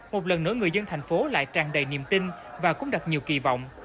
một lần nữa người dân thành phố lại tràn đầy niềm tin và cũng đặt nhiều kỳ vọng